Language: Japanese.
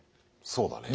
そうだね。